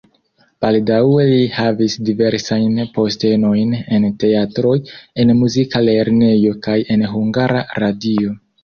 Baldaŭe li havis diversajn postenojn en teatroj, en muzika lernejo kaj en Hungara Radio.